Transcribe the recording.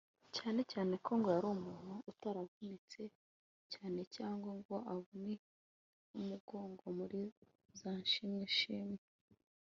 cyane cyane ko ngo yari umuntu utaravunitse cyane cyangwa ngo avunwe umugongo muri za «nshimwe nshimwe»